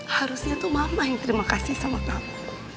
harusnya tuh mama yang terima kasih sama bapak